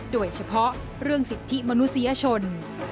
โดยเฉพาะเรื่องสิทธิมนุษยชน